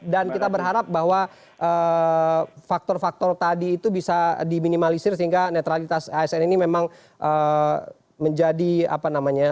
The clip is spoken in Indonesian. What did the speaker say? dan kita berharap bahwa faktor faktor tadi itu bisa diminimalisir sehingga netralitas asn ini memang menjadi apa namanya